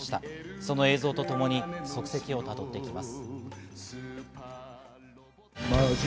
その映像とともに足跡をたどっていきます。